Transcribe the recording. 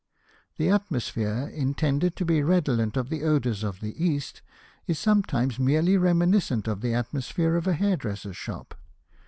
The atmosphere, intended to be redolent of the odours of the East, is sometimes merely reminiscent of the atmosphere of a hair dresser's shop.